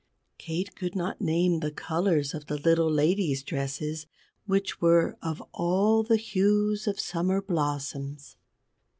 Kate could not name the colours of the little ladies' dresses, which were of all the hues of Summer blossoms.